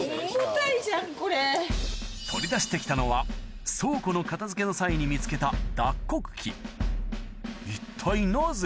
取り出して来たのは倉庫の片付けの際に見つけた一体なぜ？